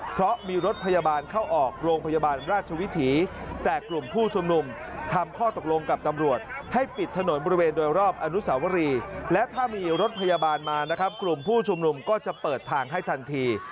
เพราะมีรถพยาบาลเข้าออกโรงพยาบาลราชวิถีแต่กลุ่มผู้ชุมนุมทำข้อตกลงกับตำรวจให้ปิดถนนบริเวณโดยรอบอนุสาวรีและถ้ามีรถพยาบาลมานะครับกลุ่มผู้ชุมนุมก็จะเปิดทางให้ทันที